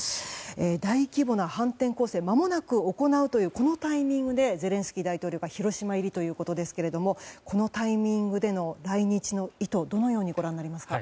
大規模な反転攻勢をまもなく行うというこのタイミングでゼレンスキー大統領が広島入りということですがこのタイミングでの来日の意図どのようにご覧になりますか？